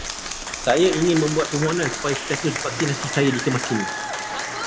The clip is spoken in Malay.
Saya ingin membuat permohonan supaya status vaksinasi saya dikemaskini.